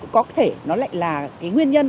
có thể nó lại là cái nguyên nhân